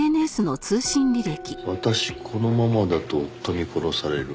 「私このままだと夫に殺される」